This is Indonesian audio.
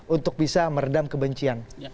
untuk bisa meredam kebencian